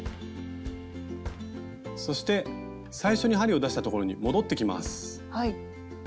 そして最初に針を出したところに戻ってきます。